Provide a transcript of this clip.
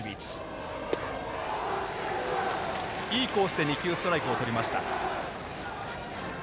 いいコースで２球ストライクをとりました。